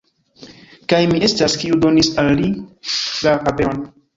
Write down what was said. Kaj mi estas, kiu donis al ili la paperon!